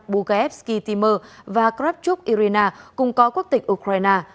bugaevsky timur và kravchuk irina cùng có quốc tịch ukraine